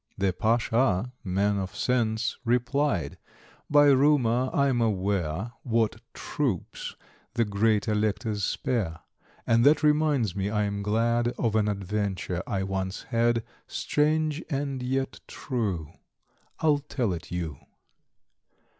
The Pasha (man of sense), Replied: "By rumour I'm aware What troops the great electors spare, And that reminds me, I am glad, Of an adventure I once had, Strange, and yet true. I'll tell it you.